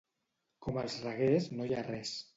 Com els Reguers no hi ha res.